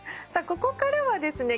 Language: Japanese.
ここからはですね